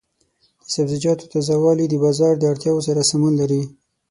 د سبزیجاتو تازه والي د بازار د اړتیاوو سره سمون لري.